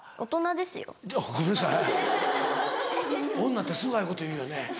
女ってすぐああいうこと言うよね。